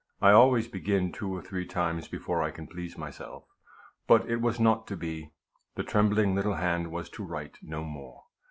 I always begin two or three times before I can please myself." But it was not to be. The trembling little hand was to write no more.